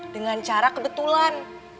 dengan cara kebetulan